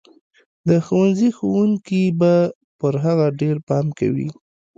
د ښوونځي ښوونکي به پر هغه ډېر پام کوي.